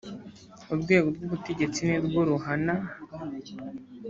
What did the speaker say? urwego rw’ ubutegetsi nirwo runahana.